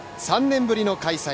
３年ぶりの開催